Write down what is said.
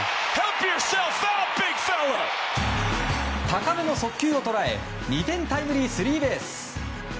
高めの速球を捉え２点タイムリースリーベース。